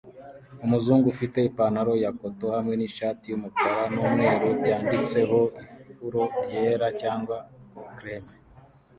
Umuzungu ufite ipantaro ya cotoon hamwe nishati yumukara numweru byanditseho ifuro ryera cyangwa cream